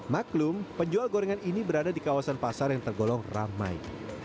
maklum penjual gorengan ini berada di kawasan pasar yang tergolong ramai